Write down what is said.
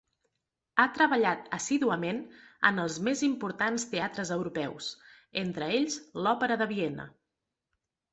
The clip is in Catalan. Ha treballat assíduament en els més importants teatres europeus, entre ells l'òpera de Viena.